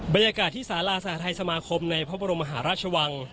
บรรยากาศที่สาราสหทัยสมาคมในพระบรมมหาราชวัง